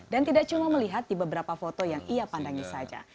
dan tidak cuma melihat di beberapa foto yang ia pandangi saja